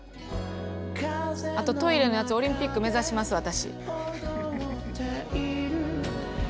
あとトイレのやつオリンピック目指します私。